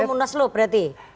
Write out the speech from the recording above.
bahwa belum munas lo berarti